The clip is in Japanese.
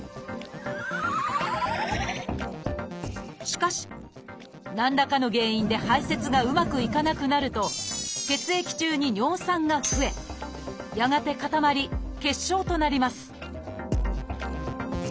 しかし何らかの原因で排せつがうまくいかなくなると血液中に尿酸が増えやがて固まり結晶となります